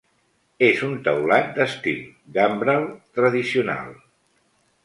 És un teulat d'estil gambrel tradicional.